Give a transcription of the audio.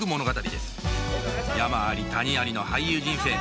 山あり谷ありの俳優人生